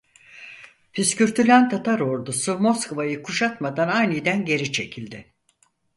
Püskürtülen Tatar ordusu Moskova'yı kuşatmadan aniden geri çekildi.